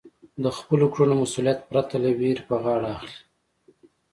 د خپلو کړنو مسؤلیت پرته له وېرې په غاړه اخلئ.